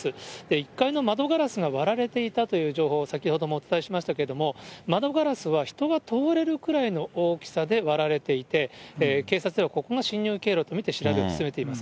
１階の窓ガラスが割られていたという情報を先ほどもお伝えしましたけど、窓ガラスは人が通れるくらいの大きさで割られていて、警察ではここが侵入経路と見て、調べを進めています。